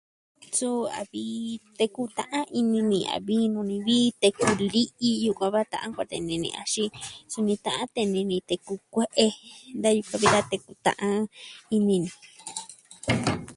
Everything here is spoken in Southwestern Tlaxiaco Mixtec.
Suu, a vi, teku ta'an ini ni a vii nuu ni vi teku li'i yukuan va ta'an kuatee ini ni, axin suni ta'an tee ini ni teku kue'e da yukuan vi da teku ta'an ini ni.